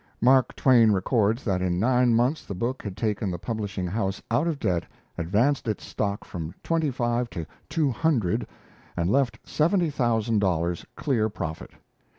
Mark Twain records that in nine months the book had taken the publishing house out of debt, advanced its stock from twenty five to two hundred, and left seventy thousand dollars clear profit.